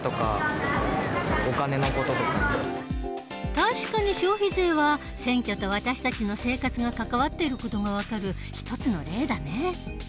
確かに消費税は選挙と私たちの生活が関わっている事が分かる一つの例だね。